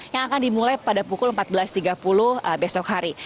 yang akan dimulai pada pukul empat belas tiga puluh besok hari